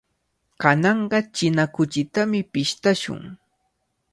Kananqa china kuchitami pishtashun.